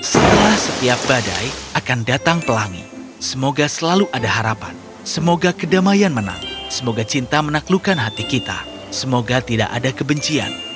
setelah setiap badai akan datang pelangi semoga selalu ada harapan semoga kedamaian menang semoga cinta menaklukkan hati kita semoga tidak ada kebencian